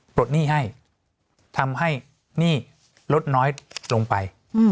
หนี้ให้ทำให้หนี้ลดน้อยลงไป